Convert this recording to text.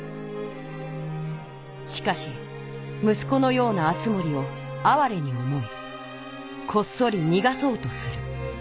しかしむすこのような敦盛をあわれに思いこっそりにがそうとする。